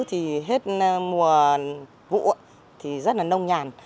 thì hết mùa vụ thì rất là nông nhàn